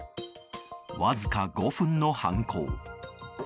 わずか５分の犯行。